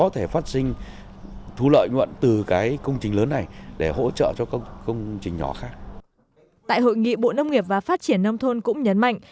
tại hội nghị bộ nông nghiệp và phát triển nông thôn cũng nhấn mạnh